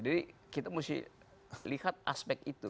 jadi kita mesti lihat aspek itu